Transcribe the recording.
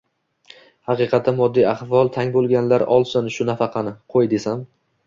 Haqiqatda moddiy ahvoli tang bo‘lganlar olsin shu nafaqani, qo‘y!» desam